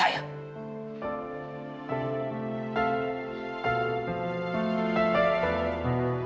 dari mana deze sukses bomba bagi kamu